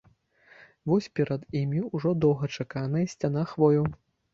Вось перад імі ўжо доўгачаканая сцяна хвояў.